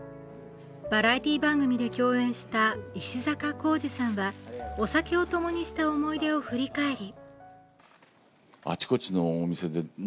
バラエティー番組で共演した石坂浩二さんはお酒を共にした思い出を振り返り